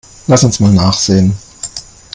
Lass uns mal nachsehen.